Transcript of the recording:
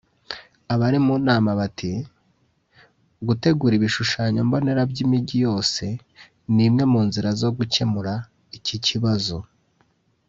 Abari mu nama bati “gutegura ibishushanyo mbonera by’imijyi yose ni imwe mu nzira zo gukemura iki kibazo